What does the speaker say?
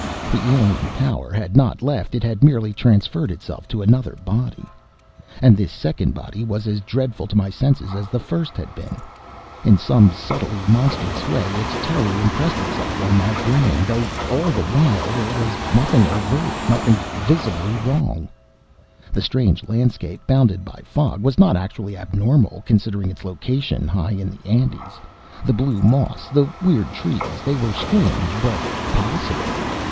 The Alien Power had not left! It had merely transferred itself to another body! And this second body was as dreadful to my senses as the first had been. In some subtly monstrous way its terror impressed itself on my brain, though all the while there was nothing overt, nothing visibly wrong. The strange landscape, bounded by fog, was not actually abnormal, considering its location, high in the Andes. The blue moss, the weird trees; they were strange, but possible.